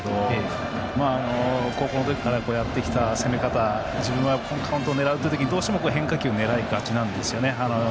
変化球って応用なんですけど高校の時からやってきた攻め方カウントを狙う時にどうしても変化球を狙いがちなんです。